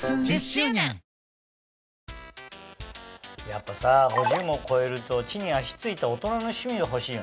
やっぱさ５０歳も超えると地に足ついた大人の趣味が欲しいよね。